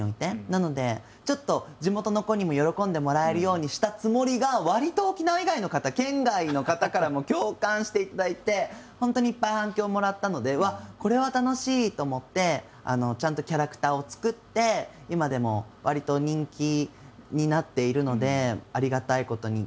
なのでちょっと地元の子にも喜んでもらえるようにしたつもりがわりと沖縄以外の方県外の方からも共感していただいて本当にいっぱい反響をもらったのでこれは楽しい！と思ってちゃんとキャラクターを作って今でもわりと人気になっているのでありがたいことに。